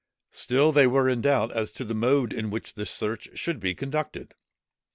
Still, they were in doubt as to the mode in which the search should be conducted.